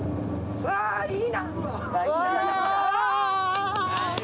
うわいい。